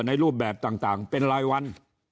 รูปแบบต่างเป็นรายวัน